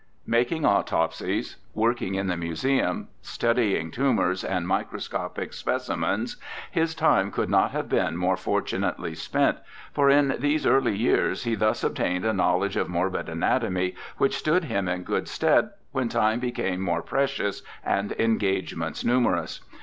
Making autopsies, working in the Museum, studying tumours and micro scopic specimens, his time could not have been more fortunately spent, for in these early years he thus obtained a knowledge of morbid anatomy which stood him in good stead when time became more precious and engagements numerous.